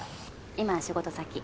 今仕事先。